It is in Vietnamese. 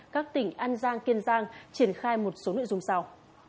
các tỉnh an giang kiên giang triển khai một số nội dung sau